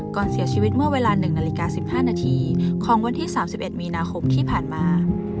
ก่อนเสียชีวิตเมื่อเวลา๑นาฬิกา๑๕นาทีของวันที่๓๑มีนาคมที่ผ่านมา